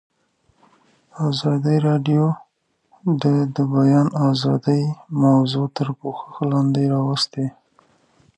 ازادي راډیو د د بیان آزادي موضوع تر پوښښ لاندې راوستې.